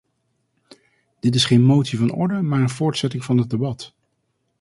Dit is geen motie van orde maar een voortzetting van het debat.